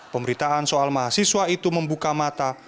pemberitaan soal mahasiswa itu membuka mata